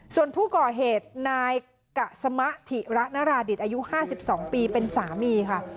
ส่วนผู้ก่อเหตุนายกะสมะถิระนราดิตอายุ๕๒ปีเป็นสามีค่ะ